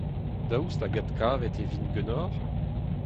Daoust hag adkavet e vint ganeoc'h ?